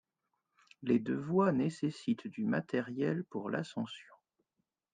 Les deux voies nécessitent du matériel pour l'ascension.